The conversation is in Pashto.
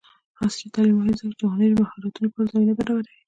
عصري تعلیم مهم دی ځکه چې د هنري مهارتونو لپاره زمینه برابروي.